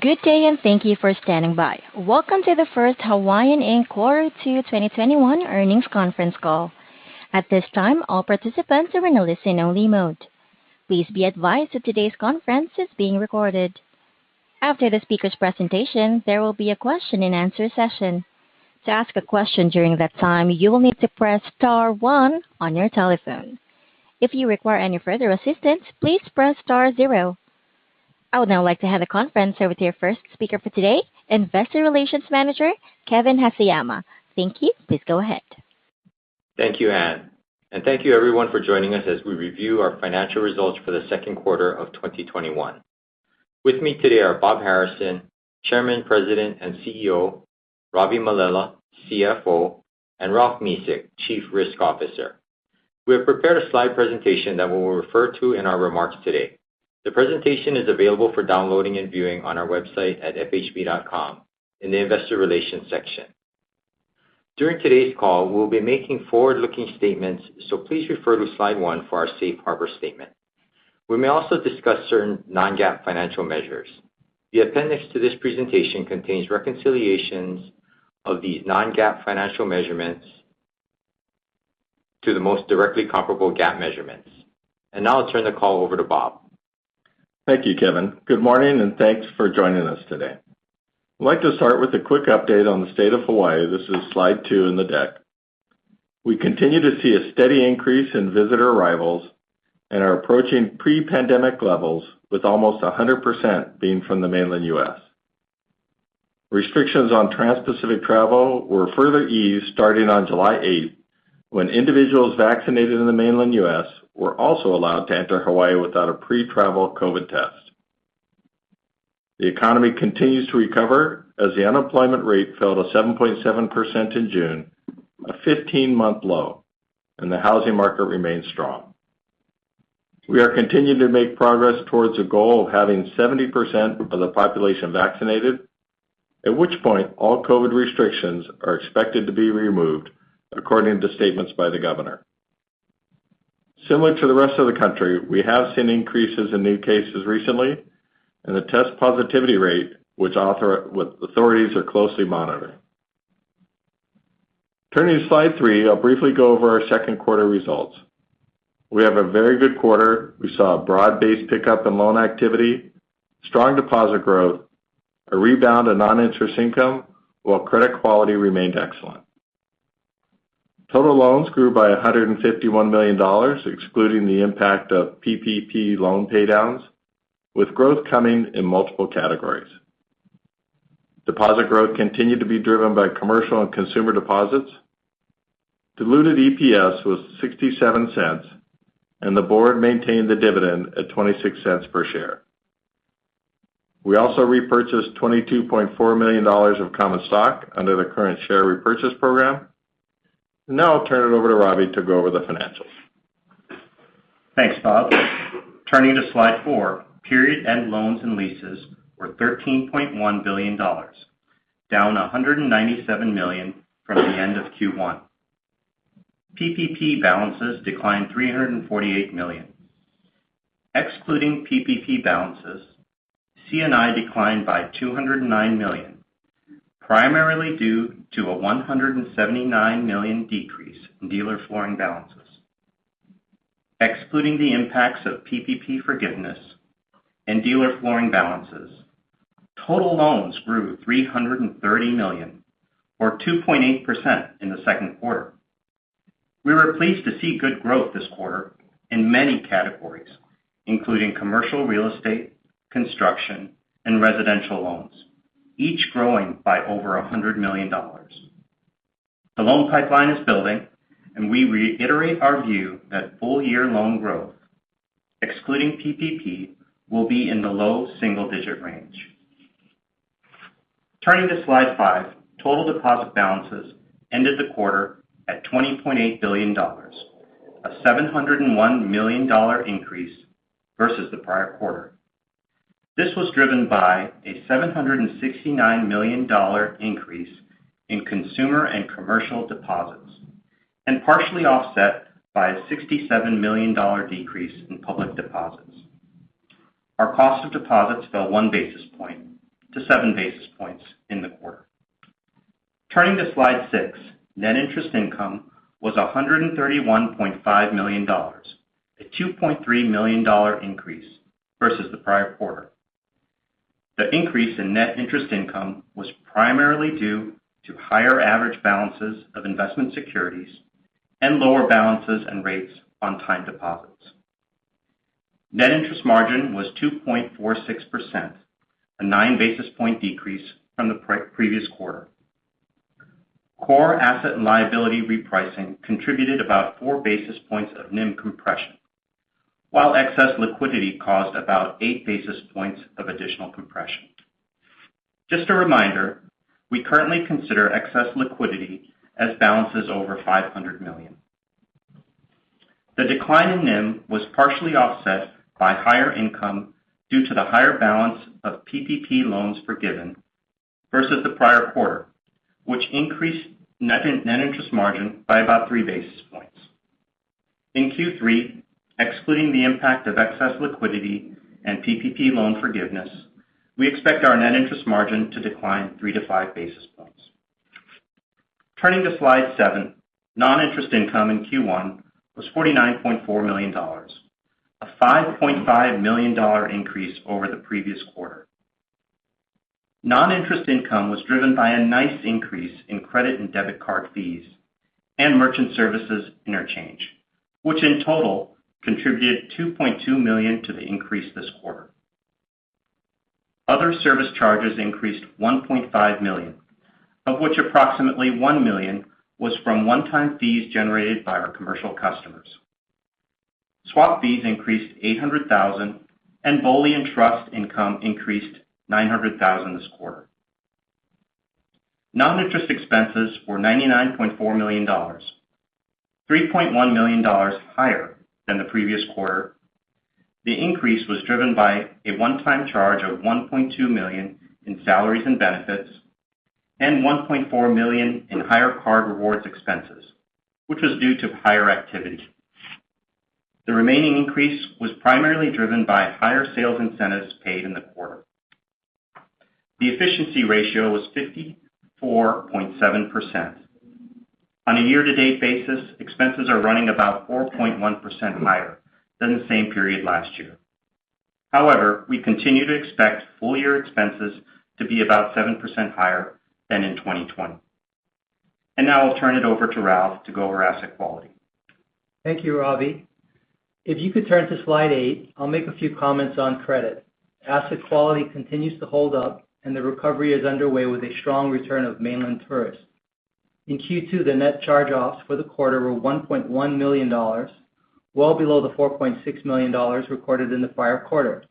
Good day, and thank you for standing by. Welcome to the First Hawaiian, Inc. Q2 2021 earnings conference call. At this time, all participants are in a listen only mode. Please be advised that today's conference is being recorded. After the speaker's presentation, there will be a question-and-answer session. To ask a question during that time, you will need to press star one on your telephone. If you require any further assistance, please press star zero. I would now like to have the conference over to your first speaker for today, Investor Relations Manager, Kevin Haseyama. Thank you. Please go ahead. Thank you, Anne. Thank you everyone for joining us as we review our financial results for the second quarter of 2021. With me today are Bob Harrison, Chairman, President, and CEO, Ravi Mallela, CFO, and Ralph Mesick, Chief Risk Officer. We have prepared a slide presentation that we will refer to in our remarks today. The presentation is available for downloading and viewing on our website at fhb.com in the investor relations section. During today's call, we'll be making forward-looking statements, so please refer to slide 1 for our safe harbor statement. We may also discuss certain non-GAAP financial measures. The appendix to this presentation contains reconciliations of these non-GAAP financial measurements to the most directly comparable GAAP measurements. Now I'll turn the call over to Bob. Thank you, Kevin. Good morning, and thanks for joining us today. I'd like to start with a quick update on the state of Hawaii. This is slide two in the deck. We continue to see a steady increase in visitor arrivals and are approaching pre-pandemic levels with almost 100% being from the mainland U.S. Restrictions on transpacific travel were further eased starting on July eighth when individuals vaccinated in the mainland U.S. were also allowed to enter Hawaii without a pre-travel COVID test. The economy continues to recover as the unemployment rate fell to 7.7% in June, a 15-month low, and the housing market remains strong. We are continuing to make progress towards the goal of having 70% of the population vaccinated, at which point all COVID restrictions are expected to be removed, according to statements by the governor. Similar to the rest of the country, we have seen increases in new cases recently and a test positivity rate which authorities are closely monitoring. Turning to slide three, I'll briefly go over our second quarter results. We have a very good quarter. We saw a broad-based pickup in loan activity, strong deposit growth, a rebound in non-interest income while credit quality remained excellent. Total loans grew by $151 million, excluding the impact of PPP loan paydowns, with growth coming in multiple categories. Deposit growth continued to be driven by commercial and consumer deposits. Diluted EPS was $0.67. The board maintained the dividend at $0.26 per share. We also repurchased $22.4 million of common stock under the current share repurchase program. Now I'll turn it over to Ravi to go over the financials. Thanks, Bob. Turning to slide four, period end loans and leases were $13.1 billion, down $197 million from the end of Q1. PPP balances declined $348 million. Excluding PPP balances, C&I declined by $209 million, primarily due to a $179 million decrease in dealer flooring balances. Excluding the impacts of PPP forgiveness and dealer flooring balances, total loans grew $330 million, or 2.8% in the second quarter. We were pleased to see good growth this quarter in many categories, including commercial real estate, construction, and residential loans, each growing by over $100 million. The loan pipeline is building, and we reiterate our view that full-year loan growth, excluding PPP, will be in the low single digit range. Turning to slide 5, total deposit balances ended the quarter at $20.8 billion, a $701 million increase versus the prior quarter. This was driven by a $769 million increase in consumer and commercial deposits, and partially offset by a $67 million decrease in public deposits. Our cost of deposits fell 1 basis point to 7 basis points in the quarter. Turning to slide six, net interest income was $131.5 million, a $2.3 million increase versus the prior quarter. The increase in net interest income was primarily due to higher average balances of investment securities and lower balances and rates on time deposits. Net interest margin was 2.46%, a 9 basis point decrease from the previous quarter. Core asset and liability repricing contributed about 4 basis points of NIM compression, while excess liquidity caused about 8 basis points of additional compression. Just a reminder, we currently consider excess liquidity as balances over $500 million. The decline in NIM was partially offset by higher income due to the higher balance of PPP loans forgiven versus the prior quarter, which increased net interest margin by about 3 basis points. In Q3, excluding the impact of excess liquidity and PPP loan forgiveness, we expect our net interest margin to decline 3-5 basis points. Turning to slide seven, non-interest income in Q1 was $49.4 million, a $5.5 million increase over the previous quarter. Non-interest income was driven by a nice increase in credit and debit card fees and merchant services interchange, which in total contributed $2.2 million to the increase this quarter. Other service charges increased $1.5 million, of which approximately $1 million was from one-time fees generated by our commercial customers. BOLI and trust income increased $900,000 this quarter. Non-interest expenses were $99.4 million, $3.1 million higher than the previous quarter. The increase was driven by a one-time charge of $1.2 million in salaries and benefits and $1.4 million in higher card rewards expenses, which was due to higher activity. The remaining increase was primarily driven by higher sales incentives paid in the quarter. The efficiency ratio was 54.7%. On a year-to-date basis, expenses are running about 4.1% higher than the same period last year. We continue to expect full-year expenses to be about 7% higher than in 2020. Now I'll turn it over to Ralph to go over asset quality. Thank you, Ravi. If you could turn to slide eight, I'll make a few comments on credit. Asset quality continues to hold up, and the recovery is underway with a strong return of mainland tourists. In Q2, the net charge-offs for the quarter were $1.1 million, well below the $4.6 million recorded in the prior quarter.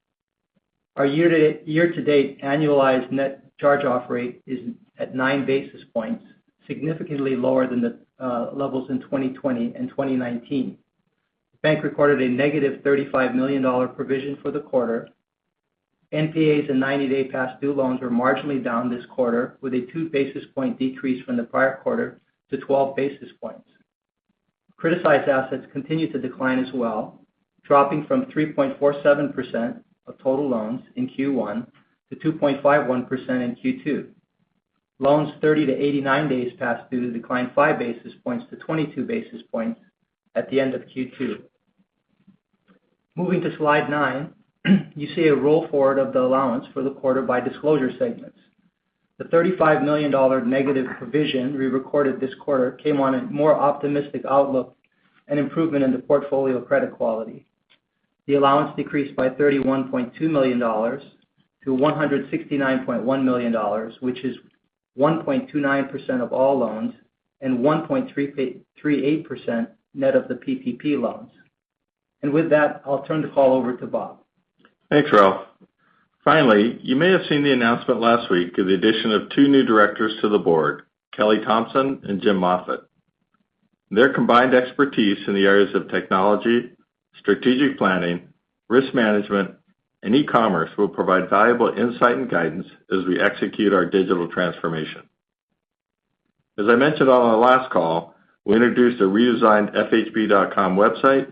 Our year-to-date annualized net charge-off rate is at 9 basis points, significantly lower than the levels in 2020 and 2019. Bank recorded a negative $35 million provision for the quarter. NPAs and 90-day past due loans were marginally down this quarter, with a 2 basis point decrease from the prior quarter to 12 basis points. Criticized assets continue to decline as well, dropping from 3.47% of total loans in Q1 to 2.51% in Q2. Loans 30-89 days past due declined 5 basis points to 22 basis points at the end of Q2. Moving to slide nine, you see a roll forward of the allowance for the quarter by disclosure segments. The $35 million negative provision we recorded this quarter came on a more optimistic outlook and improvement in the portfolio credit quality. The allowance decreased by $31.2 million - $169.1 million, which is 1.29% of all loans and 1.38% net of the PPP loans. With that, I'll turn the call over to Bob. Thanks, Ralph. Finally, you may have seen the announcement last week of the addition of two new directors to the board, Kelly Thompson and James Moffatt. Their combined expertise in the areas of technology, strategic planning, risk management, and e-commerce will provide valuable insight and guidance as we execute our digital transformation. As I mentioned on our last call, we introduced a redesigned fhb.com website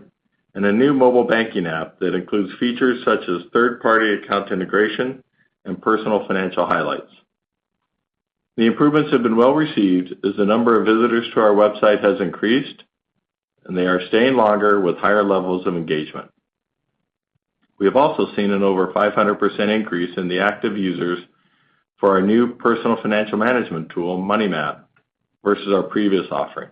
and a new mobile banking app that includes features such as third-party account integration and personal financial highlights. The improvements have been well-received as the number of visitors to our website has increased, and they are staying longer with higher levels of engagement. We have also seen an over 500% increase in the active users for our new personal financial management tool, Money Map, versus our previous offering.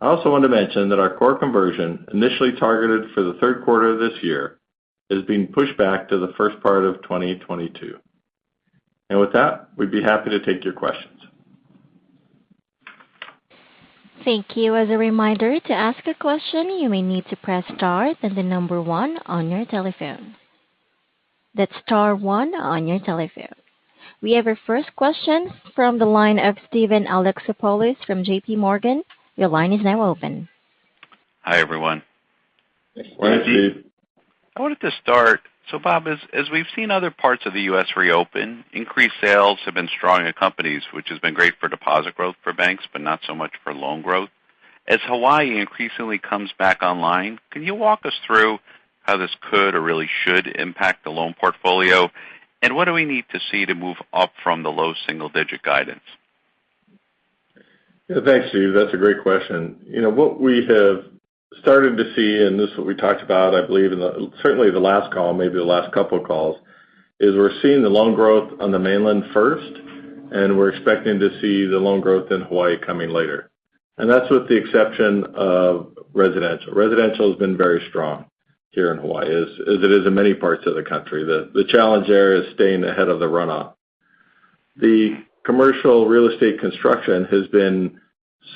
I also want to mention that our core conversion, initially targeted for the third quarter of this year, is being pushed back to the first part of 2022. With that, we'd be happy to take your questions. Thank you. As a reminder, to ask a question, you may need to press star, then one on your telephone. That's star one on your telephone. We have our first question from the line of Steven Alexopoulos from JPMorgan. Your line is now open. Hi, everyone. Good morning, Steve. Hi, Steve. I wanted to start, Bob, as we've seen other parts of the U.S. reopen, increased sales have been strong at companies, which has been great for deposit growth for banks, but not so much for loan growth. As Hawaii increasingly comes back online, can you walk us through how this could or really should impact the loan portfolio? What do we need to see to move up from the low single-digit guidance? Thanks, Steve. That's a great question. What we have started to see, and this is what we talked about, I believe, in certainly the last call, maybe the last couple of calls, is we're seeing the loan growth on the mainland first, and we're expecting to see the loan growth in Hawaii coming later. That's with the exception of residential. Residential has been very strong here in Hawaii, as it is in many parts of the country. The challenge there is staying ahead of the runoff. The commercial real estate construction has been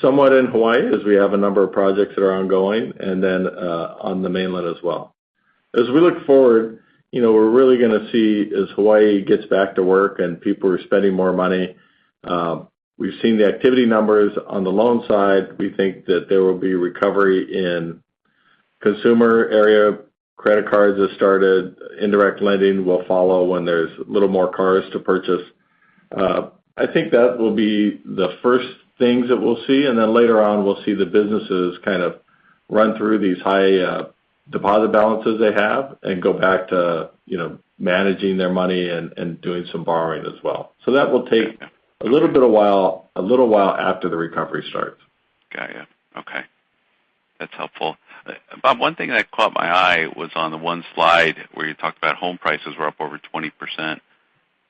somewhat in Hawaii as we have a number of projects that are ongoing, and then on the mainland as well. As we look forward, we're really going to see as Hawaii gets back to work and people are spending more money. We've seen the activity numbers on the loan side. We think that there will be recovery in Consumer area credit cards have started. Indirect lending will follow when there's a little more cars to purchase. I think that will be the first things that we'll see. Later on, we'll see the businesses kind of run through these high deposit balances they have and go back to managing their money and doing some borrowing as well. That will take a little while after the recovery starts. Got you. Okay. That's helpful. Bob, one thing that caught my eye was on the one slide where you talked about home prices were up over 20%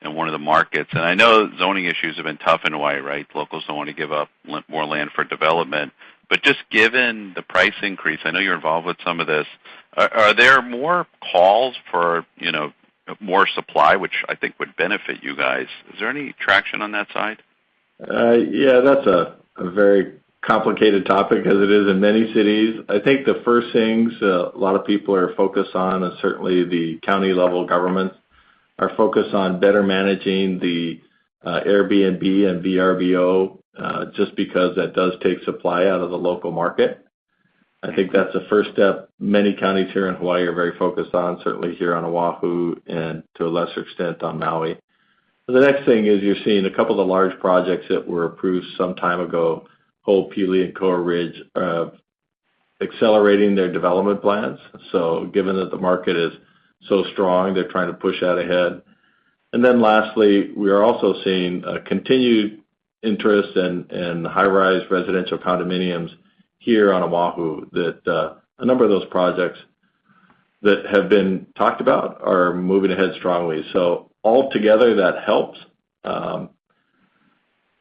in one of the markets. I know zoning issues have been tough in Hawaii, right? Locals don't want to give up more land for development. Just given the price increase, I know you're involved with some of this, are there more calls for more supply? Which I think would benefit you guys. Is there any traction on that side? That's a very complicated topic, as it is in many cities. I think the first things a lot of people are focused on, and certainly the county-level governments, are focused on better managing the Airbnb and Vrbo, just because that does take supply out of the local market. I think that's a first step many counties here in Hawaii are very focused on, certainly here on Oahu, and to a lesser extent, on Maui. The next thing is you're seeing two of the large projects that were approved some time ago, Ko Olina and Koa Ridge, accelerating their development plans. Given that the market is so strong, they're trying to push that ahead. Lastly, we are also seeing a continued interest in high-rise residential condominiums here on Oahu. A number of those projects that have been talked about are moving ahead strongly. Altogether, that helps.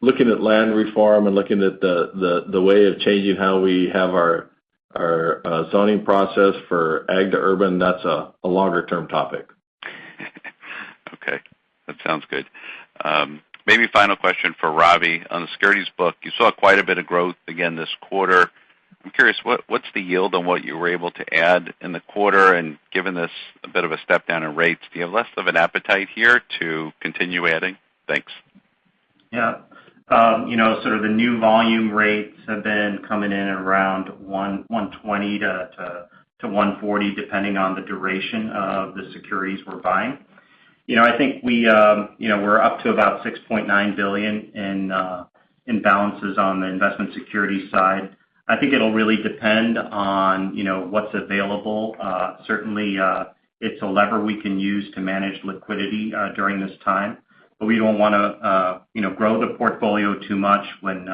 Looking at land reform and looking at the way of changing how we have our zoning process for ag to urban, that's a longer-term topic. Okay. That sounds good. Maybe final question for Ravi. On the securities book, you saw quite a bit of growth again this quarter. I'm curious, what's the yield on what you were able to add in the quarter? Given this a bit of a step down in rates, do you have less of an appetite here to continue adding? Thanks. The new volume rates have been coming in around 120-140, depending on the duration of the securities we're buying. I think we're up to about $6.9 billion in balances on the investment security side. I think it'll really depend on what's available. Certainly, it's a lever we can use to manage liquidity during this time. We don't want to grow the portfolio too much when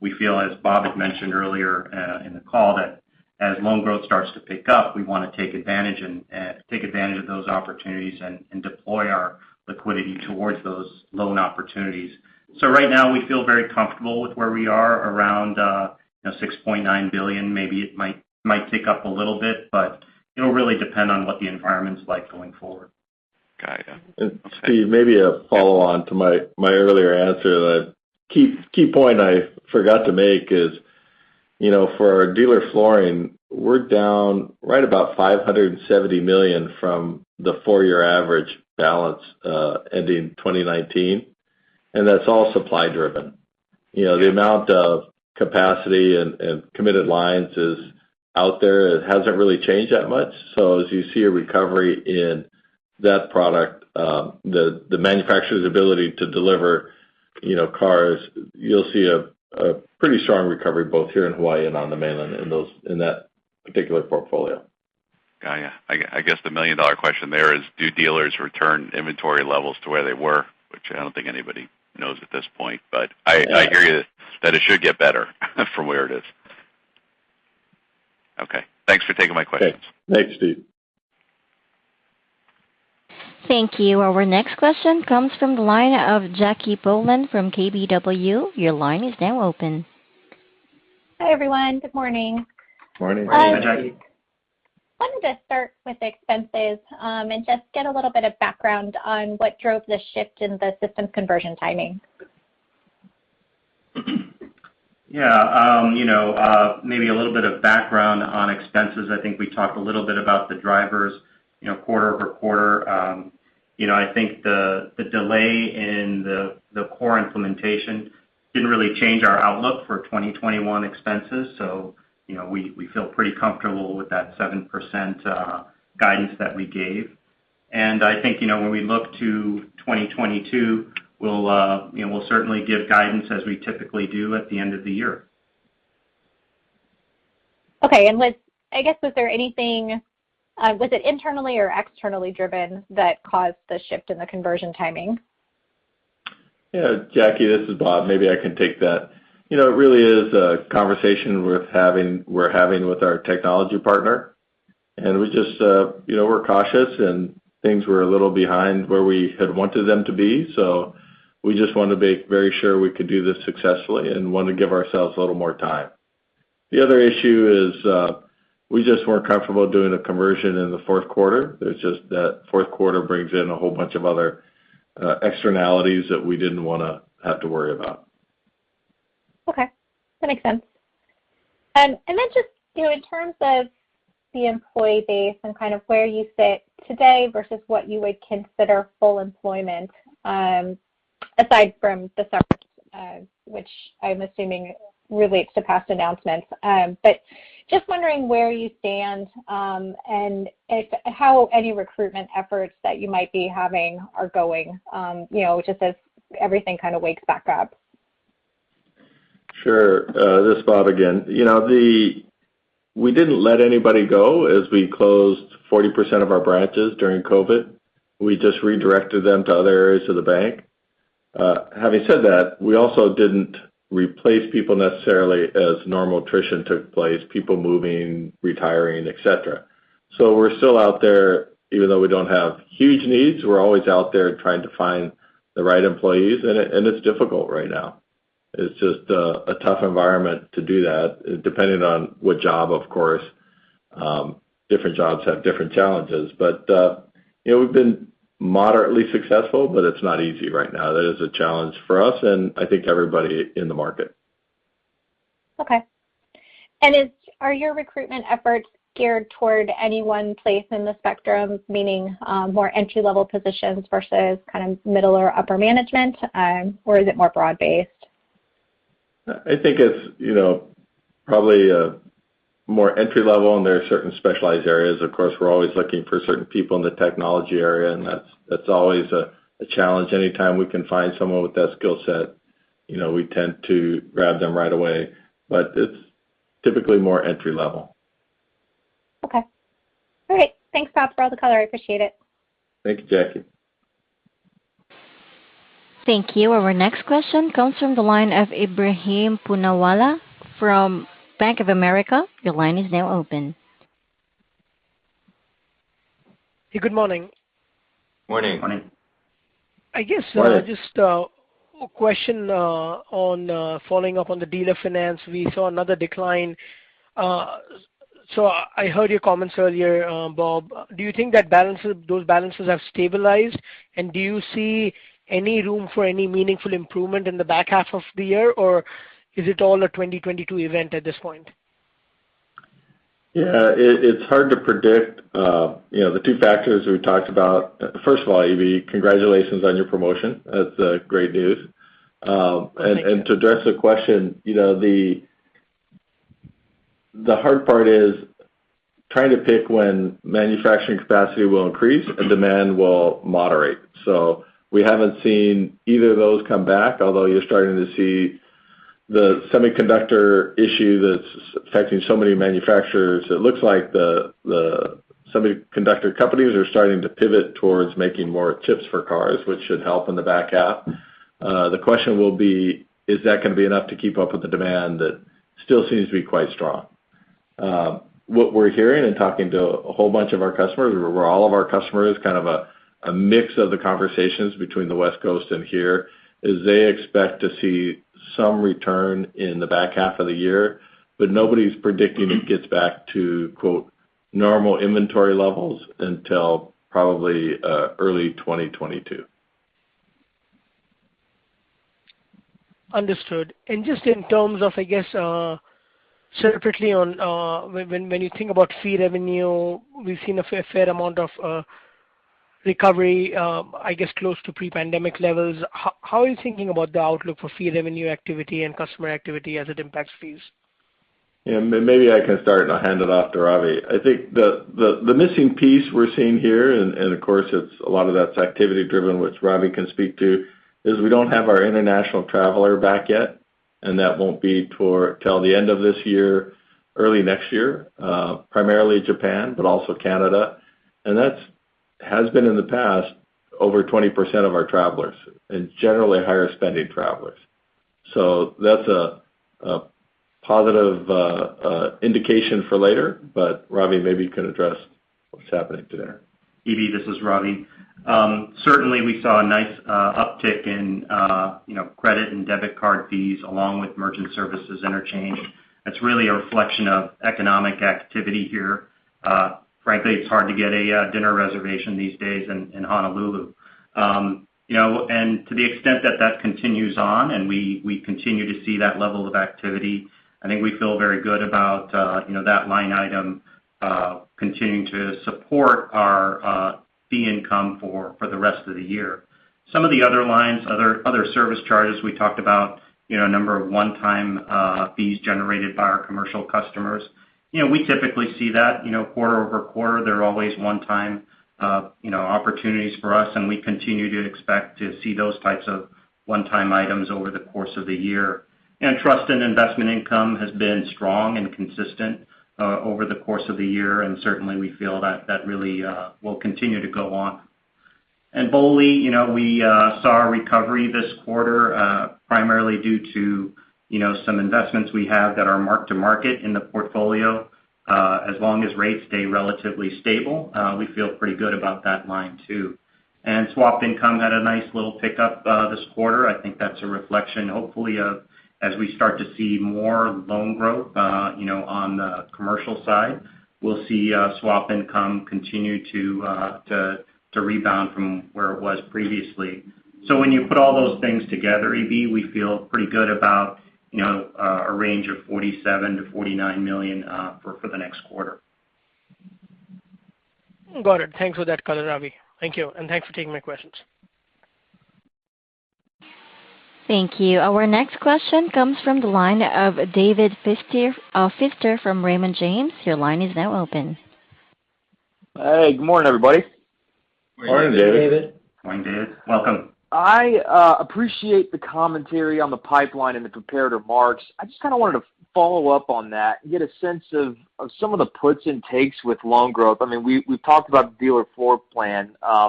we feel, as Bob had mentioned earlier in the call, that as loan growth starts to pick up, we want to take advantage of those opportunities and deploy our liquidity towards those loan opportunities. Right now, we feel very comfortable with where we are around $6.9 billion. Maybe it might tick up a little bit, it'll really depend on what the environment's like going forward. Got it. Okay. Steve, maybe a follow-on to my earlier answer. The key point I forgot to make is for our dealer flooring, we're down right about $570 million from the four-year average balance ending 2019. That's all supply driven. The amount of capacity and committed lines out there, it hasn't really changed that much. As you see a recovery in that product, the manufacturer's ability to deliver cars, you'll see a pretty strong recovery both here in Hawaii and on the mainland in that particular portfolio. Got you. I guess the million-dollar question there is do dealers return inventory levels to where they were? Which I don't think anybody knows at this point. I hear you that it should get better from where it is. Okay. Thanks for taking my questions. Okay. Thanks, Steve. Thank you. Our next question comes from the line of Jackie Bohlen from KBW. Your line is now open. Hi, everyone. Good morning. Morning. Hi. Wanted to start with expenses, and just get a little bit of background on what drove the shift in the systems conversion timing. Yeah. Maybe a little bit of background on expenses. I think we talked a little bit about the drivers quarter-over-quarter. I think the delay in the core implementation didn't really change our outlook for 2021 expenses, so we feel pretty comfortable with that 7% guidance that we gave. I think when we look to 2022, we'll certainly give guidance as we typically do at the end of the year. Okay. I guess was there anything, was it internally or externally driven that caused the shift in the conversion timing? Yeah, Jackie, this is Bob. Maybe I can take that. It really is a conversation we're having with our technology partner, and we're cautious, and things were a little behind where we had wanted them to be. We just wanted to be very sure we could do this successfully and want to give ourselves a little more time. The other issue is we just weren't comfortable doing a conversion in the fourth quarter. It's just that fourth quarter brings in a whole bunch of other externalities that we didn't want to have to worry about. Okay. That makes sense. Then just in terms of the employee base and kind of where you sit today versus what you would consider full employment, aside from the service, which I am assuming relates to past announcements. Just wondering where you stand, and how any recruitment efforts that you might be having are going, just as everything kind of wakes back up. Sure. This is Bob again. We didn't let anybody go as we closed 40% of our branches during COVID. We just redirected them to other areas of the bank. Having said that, we also didn't replace people necessarily as normal attrition took place, people moving, retiring, et cetera. We're still out there. Even though we don't have huge needs, we're always out there trying to find the right employees, and it's difficult right now. It's just a tough environment to do that, depending on what job, of course. Different jobs have different challenges. We've been moderately successful, but it's not easy right now. That is a challenge for us and I think everybody in the markets. Okay. Are your recruitment efforts geared toward any one place in the spectrum, meaning more entry-level positions versus kind of middle or upper management? Or is it more broad-based? I think it's probably more entry level, and there are certain specialized areas. Of course, we're always looking for certain people in the technology area, and that's always a challenge. Anytime we can find someone with that skill set, we tend to grab them right away. It's typically more entry level. Okay. All right. Thanks, Bob, for all the color. I appreciate it. Thank you, Jackie. Thank you. Our next question comes from the line of Ebrahim Poonawala from Bank of America. Your line is now open. Hey, good morning. Morning. Morning. I guess- Morning Just a question on following up on the dealer finance. We saw another decline. I heard your comments earlier, Bob. Do you think that those balances have stabilized, and do you see any room for any meaningful improvement in the back half of the year, or is it all a 2022 event at this point? Yeah. It's hard to predict. The two factors we talked about. First of all, Eb, congratulations on your promotion. That's great news. Thank you. To address the question, the hard part is trying to pick when manufacturing capacity will increase and demand will moderate. We haven't seen either of those come back, although you're starting to see the semiconductor issue that's affecting so many manufacturers. It looks like the semiconductor companies are starting to pivot towards making more chips for cars, which should help in the back half. The question will be, is that going to be enough to keep up with the demand that still seems to be quite strong? What we're hearing in talking to a whole bunch of our customers, or all of our customers, kind of a mix of the conversations between the West Coast and here, is they expect to see some return in the back half of the year, but nobody's predicting it gets back to, quote, "normal inventory levels" until probably early 2022. Understood. Just in terms of, I guess, separately on when you think about fee revenue, we've seen a fair amount of recovery, I guess close to pre-pandemic levels. How are you thinking about the outlook for fee revenue activity and customer activity as it impacts fees? Yeah. Maybe I can start and I'll hand it off to Ravi. I think the missing piece we're seeing here, and of course, a lot of that's activity driven, which Ravi can speak to, is we don't have our international traveler back yet, and that won't be till the end of this year, early next year. Primarily Japan, but also Canada. That has been in the past over 20% of our travelers, and generally higher spending travelers. That's a positive indication for later, but Ravi, maybe you can address what's happening there. Eb, this is Ravi. Certainly, we saw a nice uptick in credit and debit card fees along with merchant services interchange. That's really a reflection of economic activity here. Frankly, it's hard to get a dinner reservation these days in Honolulu. To the extent that that continues on and we continue to see that level of activity, I think we feel very good about that line item continuing to support our fee income for the rest of the year. Some of the other lines, other service charges we talked about, a number of one-time fees generated by our commercial customers. We typically see that quarter-over-quarter. There are always one-time opportunities for us, and we continue to expect to see those types of one-time items over the course of the year. Trust and investment income has been strong and consistent over the course of the year, and certainly, we feel that that really will continue to go on. BOLI, we saw a recovery this quarter primarily due to some investments we have that are mark-to-market in the portfolio. As long as rates stay relatively stable, we feel pretty good about that line, too. Swap income had a nice little pickup this quarter. I think that's a reflection, hopefully, of as we start to see more loan growth on the commercial side, we'll see swap income continue to rebound from where it was previously. When you put all those things together, Eb, we feel pretty good about a range of $47 million-$49 million for the next quarter. Got it. Thanks for that color, Ravi. Thank you. Thanks for taking my questions. Thank you. Our next question comes from the line of David Feaster from Raymond James. Your line is now open. Hey, good morning, everybody. Morning, David. Morning, David. Welcome. I appreciate the commentary on the pipeline and the comparator marks. I just kind of wanted to follow up on that and get a sense of some of the puts and takes with loan growth. We've talked about the dealer floor plan, how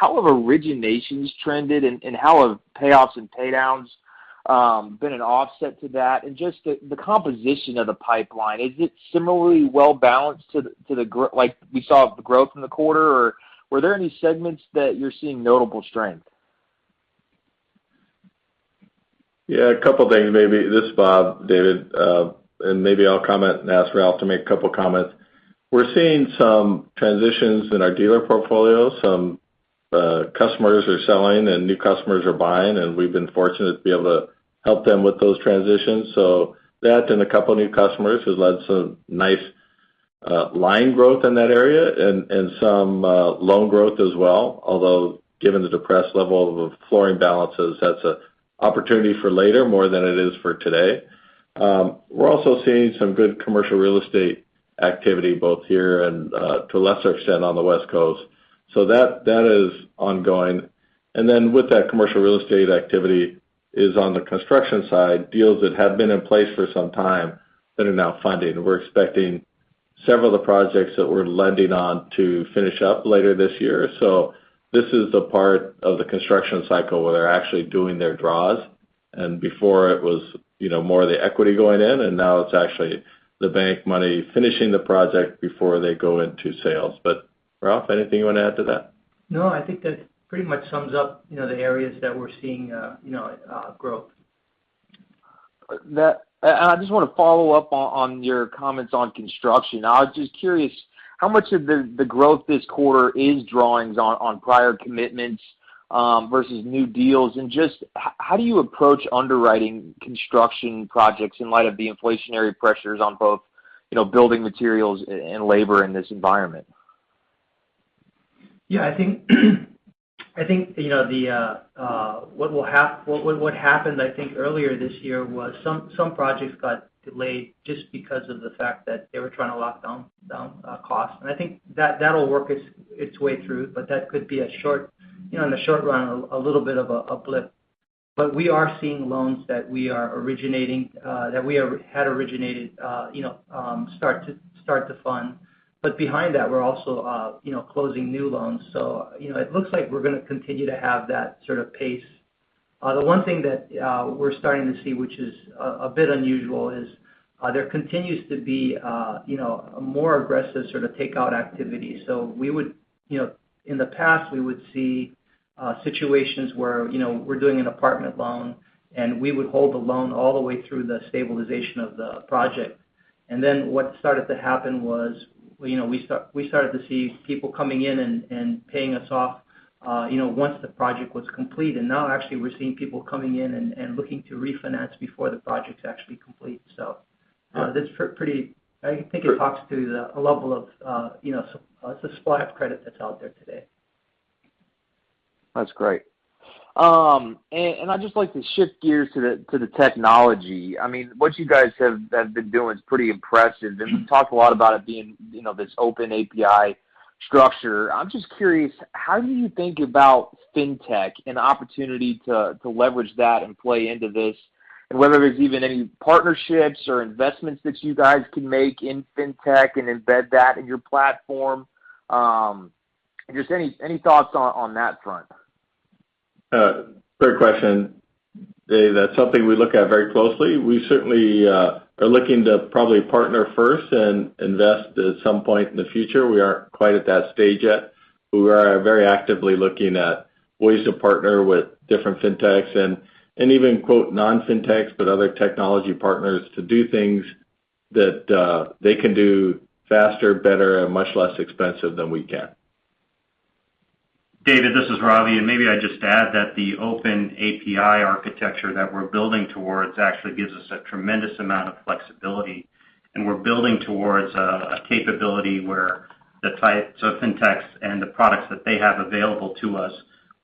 have originations trended and how have payoffs and pay downs been an offset to that? Just the composition of the pipeline, is it similarly well-balanced to the growth we saw from the quarter, or were there any segments that you're seeing notable strength? Yeah. A couple of things maybe. This is Bob, David, and maybe I'll comment and ask Ralph to make two comments. We're seeing some transitions in our dealer portfolio. Some customers are selling and new customers are buying, and we've been fortunate to be able to help them with those transitions. That and two new customers has led to some nice line growth in that area and some loan growth as well. Although given the depressed level of flooring balances, that's an opportunity for later more than it is for today. We're also seeing some good commercial real estate activity both here and to a lesser extent on the West Coast. That is ongoing. With that commercial real estate activity is on the construction side, deals that have been in place for some time that are now funding. We're expecting several of the projects that we're lending on to finish up later this year. This is the part of the construction cycle where they're actually doing their draws. Before it was more the equity going in, and now it's actually the bank money finishing the project before they go into sales. Ralph, anything you want to add to that? No, I think that pretty much sums up the areas that we're seeing growth. I just want to follow up on your comments on construction. I was just curious, how much of the growth this quarter is drawings on prior commitments versus new deals? Just how do you approach underwriting construction projects in light of the inflationary pressures on both building materials and labor in this environment? Yeah. I think what happened earlier this year was some projects got delayed just because of the fact that they were trying to lock down costs. I think that'll work its way through, but that could be in the short run, a little bit of an uplift. We are seeing loans that we had originated start to fund. Behind that, we're also closing new loans. It looks like we're going to continue to have that sort of pace. The one thing that we're starting to see, which is a bit unusual, is there continues to be a more aggressive sort of takeout activity. In the past, we would see situations where we're doing an apartment loan, and we would hold the loan all the way through the stabilization of the project. What started to happen was we started to see people coming in and paying us off once the project was complete. Now actually we're seeing people coming in and looking to refinance before the project's actually complete. I think it talks to the level of supply of credit that's out there today. That's great. I'd just like to shift gears to the technology. What you guys have been doing is pretty impressive, and we've talked a lot about it being this open API structure. I'm just curious, how do you think about fintech and opportunity to leverage that and play into this? Whether there's even any partnerships or investments that you guys can make in fintech and embed that in your platform. Just any thoughts on that front? Great question, David. That's something we look at very closely. We certainly are looking to probably partner first and invest at some point in the future. We aren't quite at that stage yet. We are very actively looking at ways to partner with different fintechs, and even quote non-fintechs, but other technology partners to do things that they can do faster, better, and much less expensive than we can. David, this is Ravi. Maybe I just add that the open API architecture that we're building towards actually gives us a tremendous amount of flexibility. We're building towards a capability where the types of fintechs and the products that they have available to us,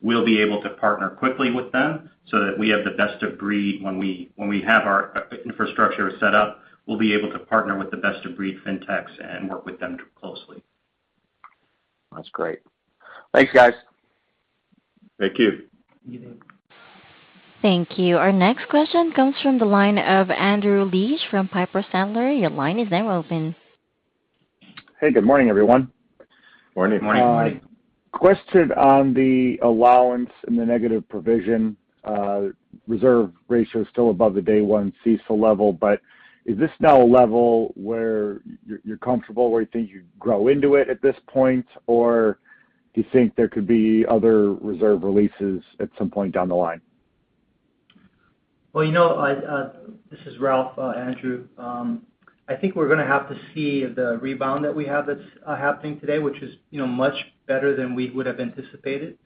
we'll be able to partner quickly with them so that we have the best of breed when we have our infrastructure set up. We'll be able to partner with the best-of-breed fintechs and work with them closely. That's great. Thanks, guys. Thank you. You too. Thank you. Our next question comes from the line of Andrew Liesch from Piper Sandler. Your line is now open. Hey, good morning, everyone. Morning. Morning. Question on the allowance and the negative provision. Reserve ratio is still above the day one CECL level, but is this now a level where you're comfortable, where you think you grow into it at this point, or do you think there could be other reserve releases at some point down the line? This is Ralph, Andrew. I think we're going to have to see if the rebound that we have that's happening today, which is much better than we would have anticipated,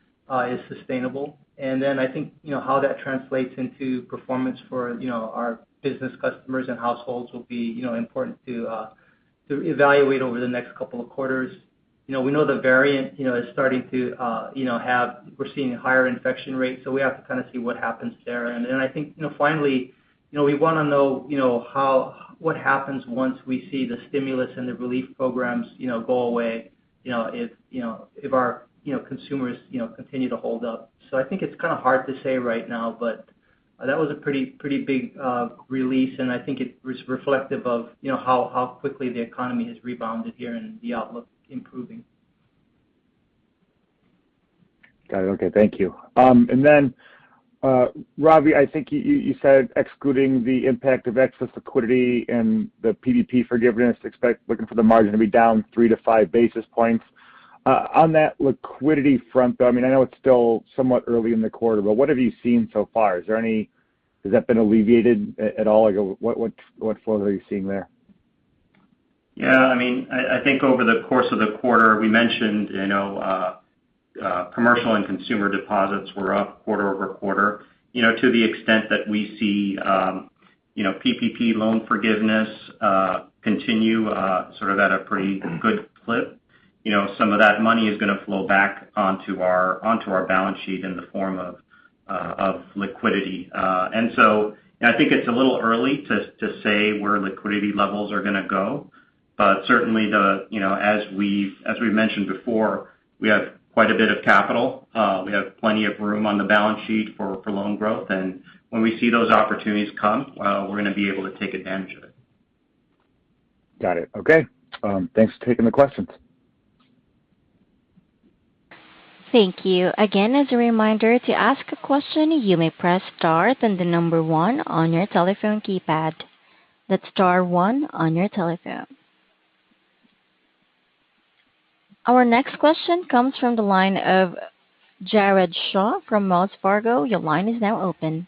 is sustainable. I think how that translates into performance for our business customers and households will be important to evaluate over the next couple of quarters. We know the variant is we're seeing higher infection rates, so we have to kind of see what happens there. I think, finally, we want to know what happens once we see the stimulus and the relief programs go away if our consumers continue to hold up. I think it's kind of hard to say right now, but that was a pretty big release, and I think it was reflective of how quickly the economy has rebounded here and the outlook improving. Got it. Okay. Thank you. Then, Ravi, I think you said excluding the impact of excess liquidity and the PPP forgiveness, looking for the margin to be down 3-5 basis points. On that liquidity front, though, I know it's still somewhat early in the quarter, what have you seen so far? Has that been alleviated at all? What flow are you seeing there? Yeah. I think over the course of the quarter, we mentioned commercial and consumer deposits were up quarter-over-quarter. To the extent that we see PPP loan forgiveness continue sort of at a pretty good clip, some of that money is going to flow back onto our balance sheet in the form of liquidity. I think it's a little early to say where liquidity levels are going to go. Certainly as we've mentioned before, we have quite a bit of capital. We have plenty of room on the balance sheet for loan growth. When we see those opportunities come, we're going to be able to take advantage of it. Got it. Okay. Thanks for taking the questions. Thank you. Again, as a reminder, to ask a question, you may press star, then the number one on your telephone keypad. That's star one on your telephone. Our next question comes from the line of Jared Shaw from Wells Fargo. Your line is now open.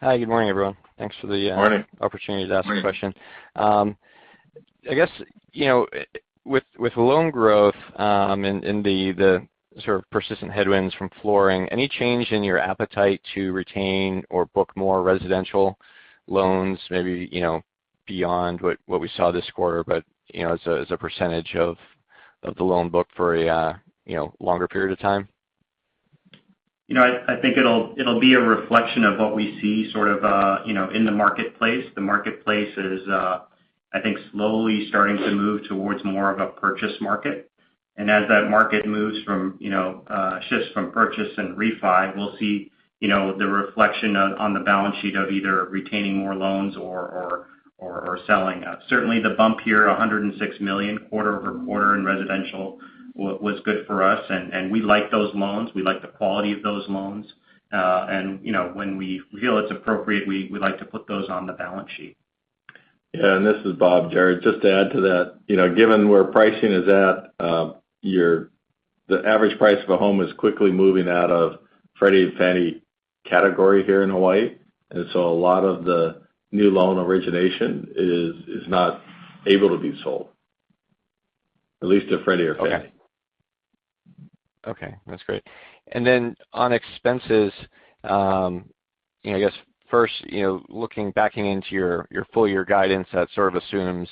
Hi. Good morning, everyone. Morning opportunity to ask a question, I guess, with loan growth in the sort of persistent headwinds from floor, any change in your appetite to retain or book more residential loans, maybe beyond what we saw this quarter, but as a percentage of the loan book for a longer period of time? I think it'll be a reflection of what we see sort of in the marketplace. The marketplace is, I think, slowly starting to move towards more of a purchase market. As that market shifts from purchase and refi, we'll see the reflection on the balance sheet of either retaining more loans or selling. Certainly the bump here, $106 million quarter-over-quarter in residential was good for us, and we like those loans. We like the quality of those loans. When we feel it's appropriate, we like to put those on the balance sheet. Yeah. This is Bob, Jared. Just to add to that, given where pricing is at, the average price of a home is quickly moving out of Freddie and Fannie category here in Hawaii. A lot of the new loan origination is not able to be sold, at least to Freddie or Fannie. Okay. That's great. On expenses, I guess first, backing into your full-year guidance, that sort of assumes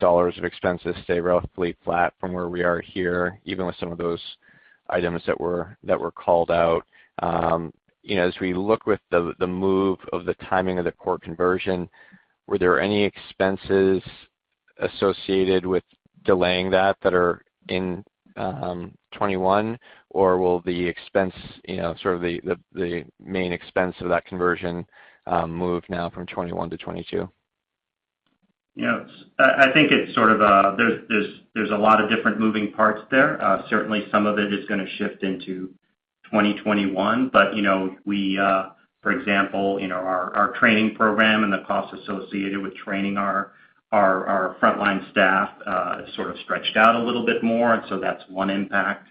dollars of expenses stay relatively flat from where we are here, even with some of those items that were called out. As we look with the move of the timing of the core conversion, were there any expenses associated with delaying that that are in 2021, or will the main expense of that conversion move now from 2021-2022? I think there's a lot of different moving parts there. Certainly some of it is going to shift into 2021. For example, our training program and the cost associated with training our frontline staff sort of stretched out a little bit more, and so that's one impact.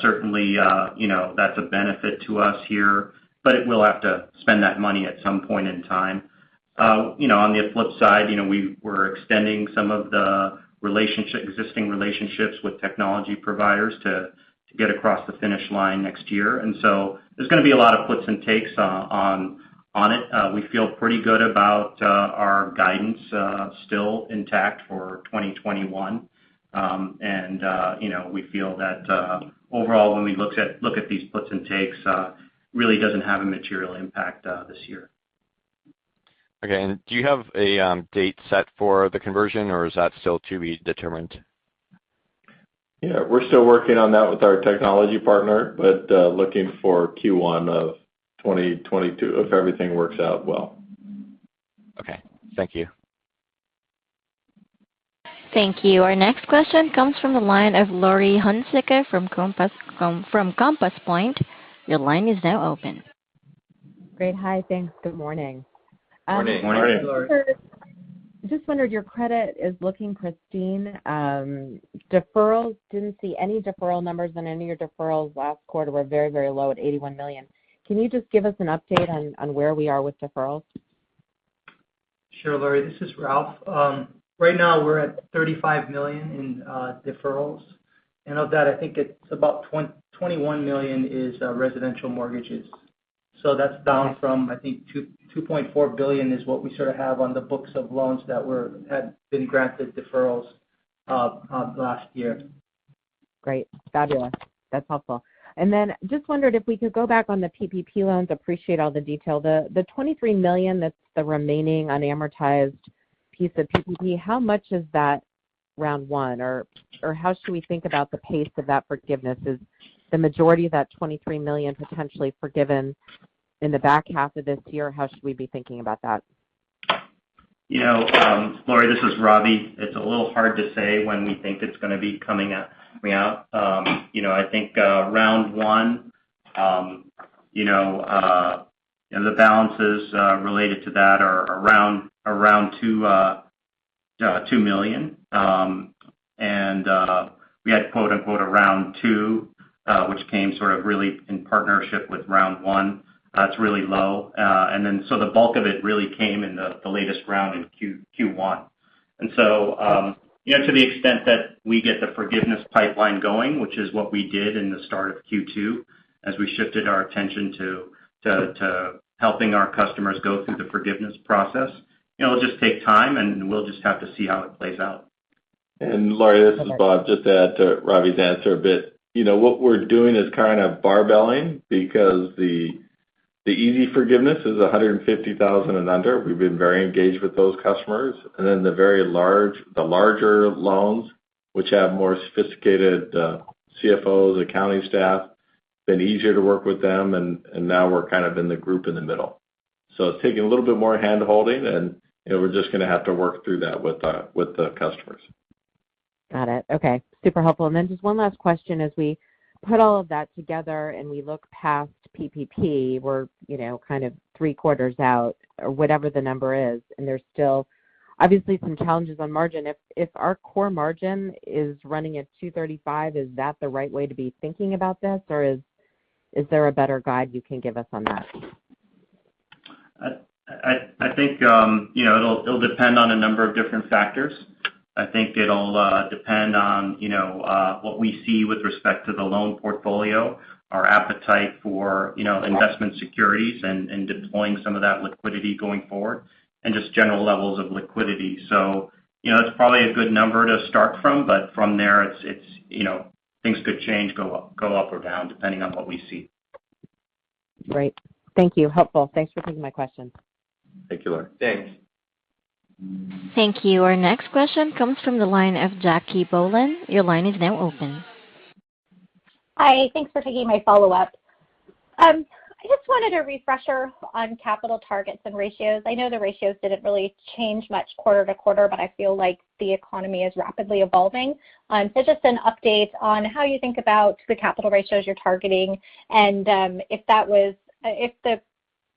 Certainly, that's a benefit to us here, but it will have to spend that money at some point in time. On the flip side, we're extending some of the existing relationships with technology providers to get across the finish line next year. There's going to be a lot of puts and takes on it. We feel pretty good about our guidance still intact for 2021. We feel that overall, when we look at these puts and takes, really doesn't have a material impact this year. Okay. Do you have a date set for the conversion, or is that still to be determined? Yeah. We're still working on that with our technology partner. Looking for Q1 of 2022 if everything works out well. Okay. Thank you. Thank you. Our next question comes from the line of Laurie Hunsicker from Compass Point. Your line is now open. Great. Hi. Thanks. Good morning. Morning. Morning. Morning, Laurie. I just wondered, your credit is looking pristine. Didn't see any deferral numbers, and any of your deferrals last quarter were very, very low at $81 million. Can you just give us an update on where we are with deferrals? Sure, Laurie. This is Ralph. Right now, we're at $35 million in deferrals. Of that, I think it's about $21 million is residential mortgages. That's down from, I think $2.4 billion is what we sort of have on the books of loans that had been granted deferrals last year. Great. Fabulous. That's helpful. Just wondered if we could go back on the PPP loans. Appreciate all the detail. The $23 million, that's the remaining unamortized piece of PPP. How much is that round one? How should we think about the pace of that forgiveness? Is the majority of that $23 million potentially forgiven in the back half of this year? How should we be thinking about that? Laurie, this is Ravi. It's a little hard to say when we think it's going to be coming out. I think round one, the balances related to that are around $2 million. We had, quote unquote, round two which came sort of really in partnership with round one. It's really low. The bulk of it really came in the latest round in Q1. To the extent that we get the forgiveness pipeline going, which is what we did in the start of Q2 as we shifted our attention to helping our customers go through the forgiveness process, it'll just take time, and we'll just have to see how it plays out. Laurie, this is Bob. Just to add to Ravi's answer a bit. What we're doing is kind of barbelling because the easy forgiveness is $150,000 and under. We've been very engaged with those customers. Then the very large, the larger loans, which have more sophisticated CFOs, accounting staff, been easier to work with them, and now we're kind of in the group in the middle. It's taking a little bit more hand-holding, and we're just going to have to work through that with the customers. Got it. Okay. Super helpful. Just one last question. As we put all of that together and we look past PPP, we're kind of three quarters out or whatever the number is, and there's still obviously some challenges on margin. If our core margin is running at 235, is that the right way to be thinking about this, or is there a better guide you can give us on that? I think it'll depend on a number of different factors. I think it'll depend on what we see with respect to the loan portfolio, our appetite for investment securities and deploying some of that liquidity going forward, and just general levels of liquidity. It's probably a good number to start from. From there, things could change, go up or down, depending on what we see. Great. Thank you. Helpful. Thanks for taking my questions. Thank you, Laurie. Thanks. Thank you. Our next question comes from the line of Jackie Bohlen. Your line is now open. Hi. Thanks for taking my follow-up. I just wanted a refresher on capital targets and ratios. I know the ratios didn't really change much quarter to quarter, but I feel like the economy is rapidly evolving. Just an update on how you think about the capital ratios you're targeting and if the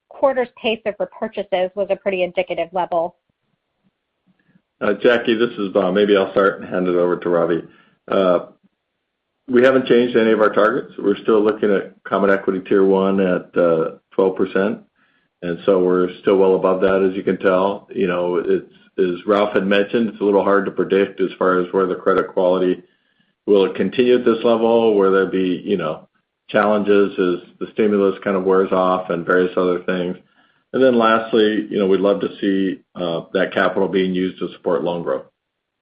quarter's pace of repurchases was a pretty indicative level. Jackie, this is Bob. Maybe I'll start and hand it over to Ravi. We haven't changed any of our targets. We're still looking at Common Equity Tier 1 at 12%. We're still well above that, as you can tell. As Ralph had mentioned, it's a little hard to predict as far as where the credit quality will it continue at this level? Will there be challenges as the stimulus kind of wears off and various other things? Lastly, we'd love to see that capital being used to support loan growth.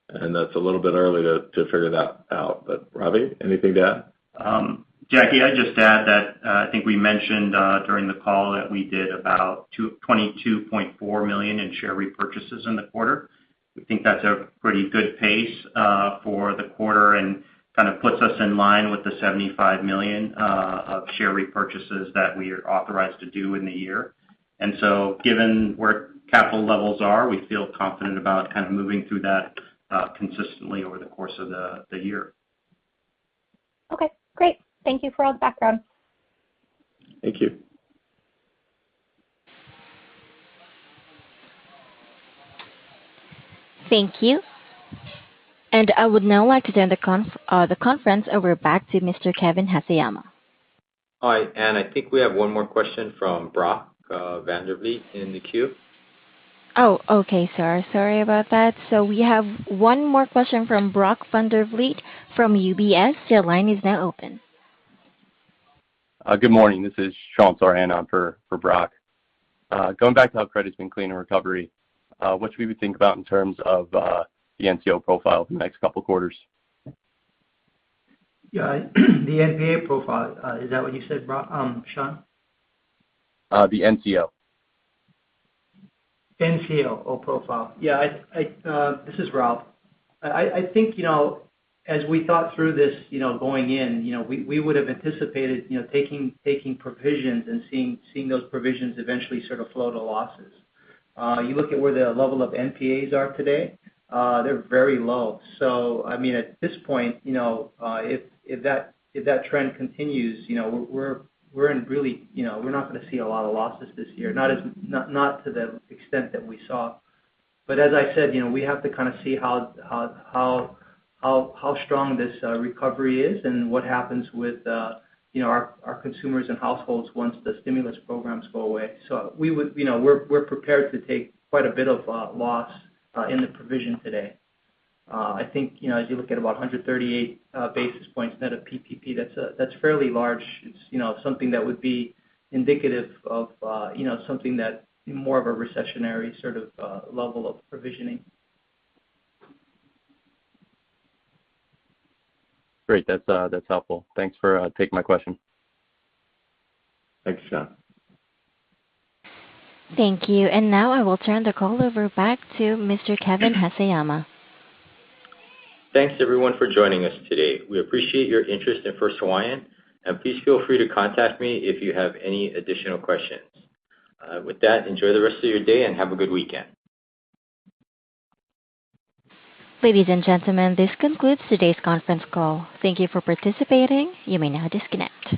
That's a little bit early to figure that out. Ravi, anything to add? Jackie, I'd just add that I think we mentioned during the call that we did about $22.4 million in share repurchases in the quarter. We think that's a pretty good pace for the quarter and kind of puts us in line with the $75 million of share repurchases that we are authorized to do in the year. Given where capital levels are, we feel confident about kind of moving through that consistently over the course of the year. Okay, great. Thank you for all the background. Thank you. Thank you. I would now like to turn the conference over back to Mr. Kevin Haseyama. Hi, Anne, I think we have one more question from Brock Vandervliet in the queue. Okay, sir. Sorry about that. We have one more question from Brock Vandervliet from UBS. Your line is now open. Good morning. This is Sean. Sorry, Anne, I'm for Brock. Going back to how credit's been clean in recovery, what should we think about in terms of the NCO profile for the next couple quarters? Yeah. The NPA profile, is that what you said, Brock, Sean? The NCO. NCO profile. Yeah. This is Ralph. I think as we thought through this going in, we would have anticipated taking provisions and seeing those provisions eventually sort of flow to losses. You look at where the level of NPAs are today, they're very low. I mean, at this point, if that trend continues, we're not going to see a lot of losses this year, not to the extent that we saw. As I said, we have to kind of see how strong this recovery is and what happens with our consumers and households once the stimulus programs go away. We're prepared to take quite a bit of loss in the provision today. I think as you look at about 138 basis points net of PPP, that's fairly large. It's something that would be indicative of something that more of a recessionary sort of level of provisioning. Great. That's helpful. Thanks for taking my question. Thanks, Sean. Thank you. Now I will turn the call over back to Mr. Kevin Haseyama. Thanks everyone for joining us today. We appreciate your interest in First Hawaiian, and please feel free to contact me if you have any additional questions. With that, enjoy the rest of your day and have a good weekend. Ladies and gentlemen, this concludes today's conference call. Thank you for participating. You may now disconnect.